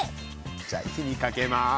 じゃ火にかけます。